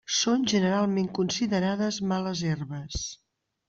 Són generalment considerades males herbes.